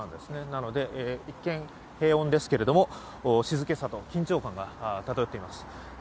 なので、一見平穏ですけど静けさと緊張感が漂っています。